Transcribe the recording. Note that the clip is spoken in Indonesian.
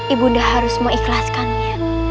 ibu nda harus mengikhlaskannya